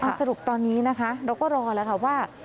สรุปตอนนี้นะคะเราก็รอแล้วค่ะว่า